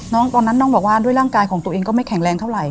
ตอนนั้นน้องบอกว่าด้วยร่างกายของตัวเองก็ไม่แข็งแรงเท่าไหร